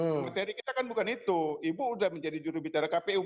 maksudnya kita kan bukan itu ibu sudah menjadi juru bicara kpu